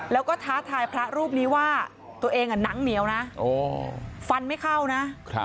แล้วก็ท้าทายพระรูปนี้ว่าตัวเองหนังเหนียวนะฟันไม่เข้านะ